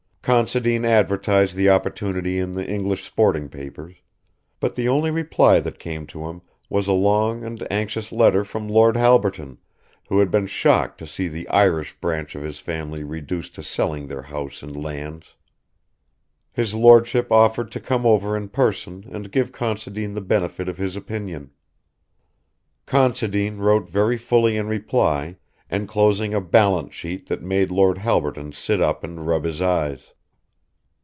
Considine advertised the opportunity in the English sporting papers, but the only reply that came to him was a long and anxious letter from Lord Halberton, who had been shocked to see the Irish branch of his family reduced to selling their house and lands. His lordship offered to come over in person and give Considine the benefit of his opinion. Considine wrote very fully in reply, enclosing a balance sheet that made Lord Halberton sit up and rub his eyes.